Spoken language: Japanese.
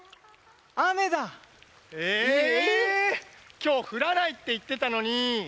きょうふらないっていってたのに！